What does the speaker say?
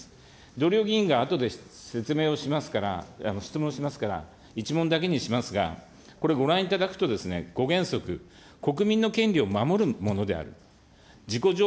同僚議員があとで説明をしますから、質問しますから、１問だけにしますが、これご覧いただくとですね、５原則、国民の権利を守るものである。